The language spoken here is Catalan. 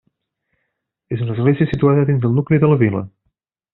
És una església situada dins el nucli de la vila.